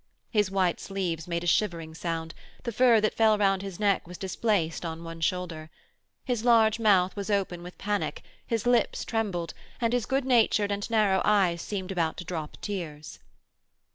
His white sleeves made a shivering sound, the fur that fell round his neck was displaced on one shoulder. His large mouth was open with panic, his lips trembled, and his good natured and narrow eyes seemed about to drop tears.